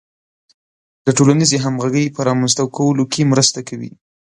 د ټولنیزې همغږۍ په رامنځته کولو کې مرسته کوي.